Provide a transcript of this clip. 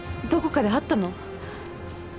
どこかで会ったの？